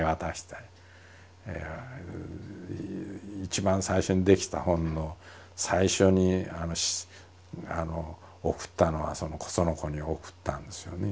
一番最初にできた本の最初に贈ったのはその子に贈ったんですよね。